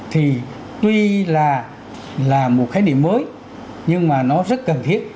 thì tuy là một khái niệm mới nhưng mà nó rất cần thiết